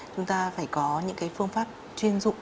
chúng ta phải có những cái phương pháp chuyên dụng